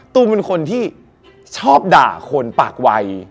ตูมเป็นคนที่ชอบด่าคนปากวัย